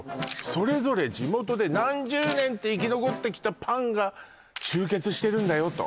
それぞれ地元で何十年って生き残ってきたパンが集結してるんだよと？